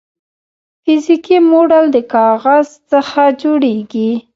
فزیکي موډل د کاغذ څخه جوړیږي.